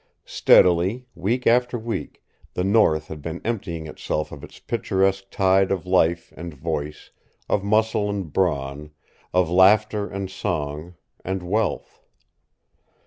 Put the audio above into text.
Steadily, week after week, the north had been emptying itself of its picturesque tide of life and voice, of muscle and brawn, of laughter and song and wealth.